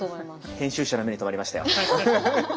編集者の目に留まりましたよ。